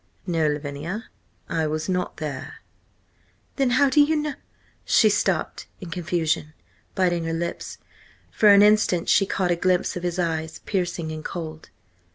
"No, Lavinia, I was not there." "Then how do you kn—" She stopped in confusion, biting her lips. For an instant she caught a glimpse of his eyes, piercing and cold.